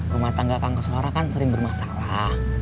rumah tangga kang kesuara kan sering bermasalah